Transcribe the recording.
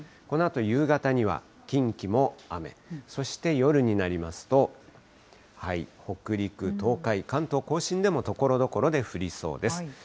このあと夕方には、近畿も雨、そして夜になりますと、北陸、東海、関東甲信でもところどころで降りそうです。